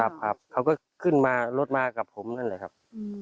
ครับครับเขาก็ขึ้นมารถมากับผมนั่นแหละครับ